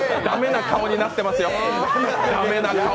駄目な顔になってますよ。